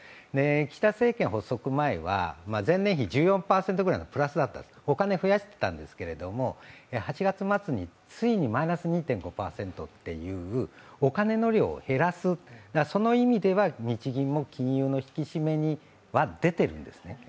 岸田政権発足前は前年比１４％ぐらいでお金を増やしていたんですけど、８月末についにマイナス２．５％っていうお金の量を減らす、その意味では日銀も金融の引き締めには出ているんですね。